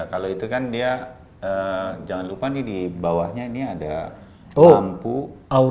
kalau itu kan dia jangan lupa nih di bawahnya ini ada lampu